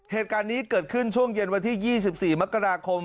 เหตุการณ์นี้เกิดขึ้นช่วงเย็นวันที่๒๔มกราคม